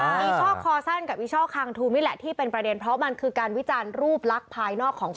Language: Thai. มีช่อคอสั้นกับอีช่อคางทูมนี่แหละที่เป็นประเด็นเพราะมันคือการวิจารณ์รูปลักษณ์ภายนอกของ